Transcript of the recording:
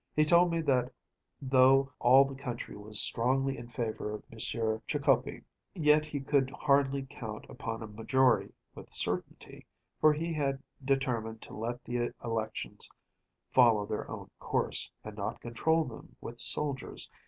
He told me that though all the country was strongly in favor of M. Trikoupi, yet he could hardly count upon a majority with certainty, for he had determined to let the elections follow their own course, and not control them with soldiers.